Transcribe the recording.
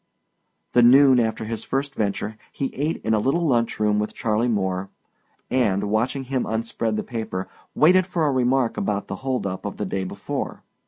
The noon after his first venture he ate in a little lunch room with Charley Moore and, watching him unspread the paper, waited for a remark about the hold up of the day before.